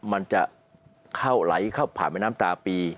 มันจะเข้าไหลเข้าผ่านแม่น้ำตาปี